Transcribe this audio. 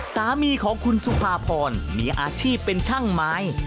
สามีของคุณสุภาพรมีอาชีพเป็นช่างไม้